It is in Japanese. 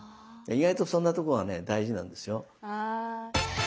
意外とそんなとこがね大事なんですよ。